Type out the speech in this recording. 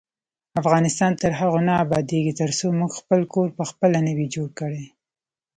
افغانستان تر هغو نه ابادیږي، ترڅو موږ خپل کور پخپله نه وي جوړ کړی.